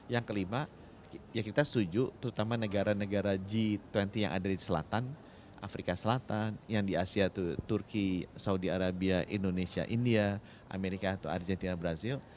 yang kelima ya kita setuju terutama negara negara g dua puluh yang ada di selatan afrika selatan yang di asia itu turki saudi arabia indonesia india amerika atau argentina brazil